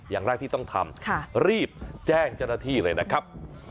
อย่างแรกที่ต้องทำรีบแจ้งเจ้าหน้าที่เลยนะครับ